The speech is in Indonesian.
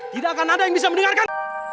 tidak akan ada yang bisa mendengarkan